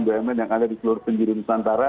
bumn yang ada di seluruh penjuru nusantara